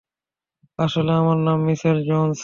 আসলে, আমার নাম মিচেল জোনস।